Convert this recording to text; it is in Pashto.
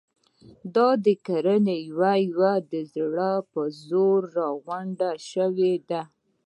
دا ګړنی یوه یوه د زړه په زور را غونډې شوې دي.